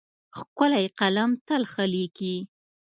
ښکلی قلم تل ښه لیکي.